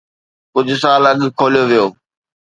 ڪجھ سال اڳ کوليو ويو